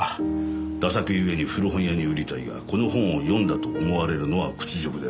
「駄作ゆえに古本屋に売りたいがこの本を読んだと思われるのは屈辱である」